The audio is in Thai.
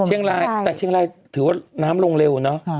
เชียงรายแต่เชียงรายถือว่าน้ำลงเร็วเนอะ